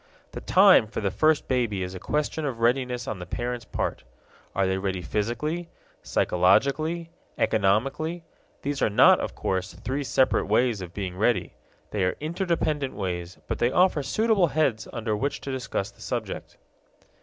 The time for the first baby is a question of readiness on the parents' part. Are they ready physically, psychologically, economically? These are not, of course, three separate ways of being ready; they are interdependent ways, but they offer suitable heads under which to discuss the subject.